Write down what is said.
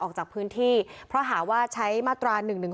ออกจากพื้นที่เพราะหาว่าใช้มาตรา๑๑๒